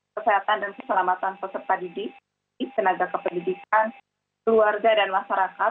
kesehatan dan keselamatan peserta didik tenaga kependidikan keluarga dan masyarakat